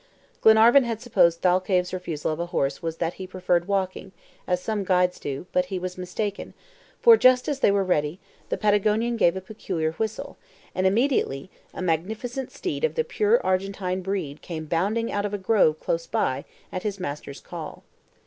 Glenarvan had supposed Thalcave's refusal of a horse was that he preferred walking, as some guides do, but he was mistaken, for just as they were ready, the Patagonian gave a peculiar whistle, and immediately a magnificent steed of the pure Argentine breed came bounding out of a grove close by, at his master's call.